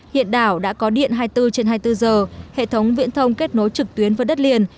hiện đảo đã có điện hai mươi bốn trên hai mươi bốn giờ hệ thống viễn thông kết nối trực tuyến với đất liền